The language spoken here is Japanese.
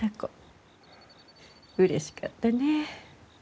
うれしかったねぇ。